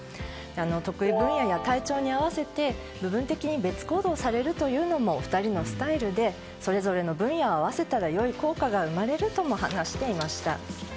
得意分野や体調に合わせて部分的に別行動されるというのも２人のスタイルでそれぞれの分野を合わせたら良い効果が生まれるとも話していました。